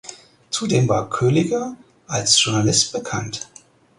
Zudem war Kölliker als Journalist bekannt.